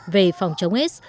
về phòng chống s